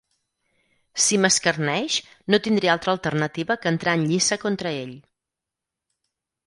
Si m'escarneix no tindré altra alternativa que entrar en lliça contra ell.